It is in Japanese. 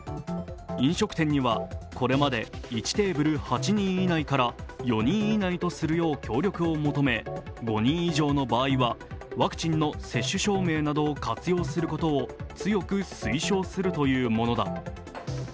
飲食店にはこれまで１テーブル８人以内から４人以内とするよう協力を求め、５人以上の場合はワクチンの接種証明などを活用することを強く推奨するというものだ。